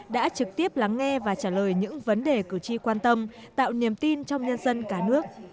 đã trực tiếp lắng nghe và trả lời những vấn đề cử tri quan tâm tạo niềm tin trong nhân dân cả nước